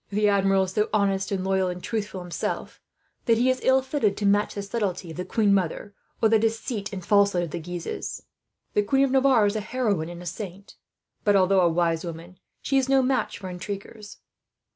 "The Admiral is so honest and loyal and truthful, himself, that he is ill fitted to match the subtlety of the queen mother, or the deceit and falsehood of the Guises. The Queen of Navarre is a heroine and a saint but, although a wise woman, she is no match for intriguers.